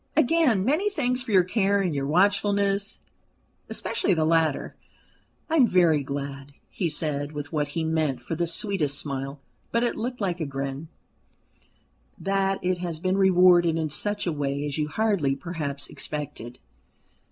"Again, many thanks for your care and your watchfulness especially the latter. I am very glad," he said, with what he meant for the sweetest smile, but it looked like a grin, "that it has been rewarded in such a way as you hardly perhaps expected."